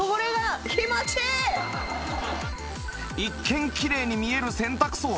一見きれいに見える洗濯槽